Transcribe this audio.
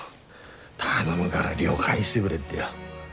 頼むがら亮返してくれってよ。